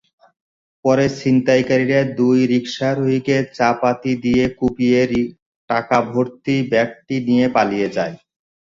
পরে ছিনতাইকারীরা দুই রিকশারোহীকে চাপাতি দিয়ে কুপিয়ে টাকাভর্তি ব্যাগটি নিয়ে পালিয়ে যায়।